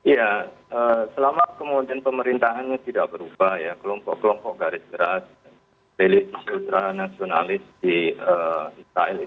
ya selama kemudian pemerintahannya tidak berubah ya kelompok kelompok garis gerak religius ultra nasionalis israelis